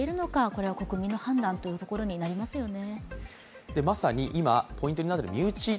これは国民の判断ということになりますよね。